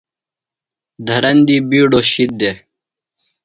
دھرندیۡ بِیڈوۡ شِد دےۡ۔